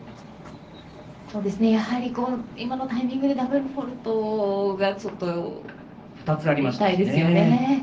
やはり、今のタイミングでダブルフォールトがちょっと痛いですよね。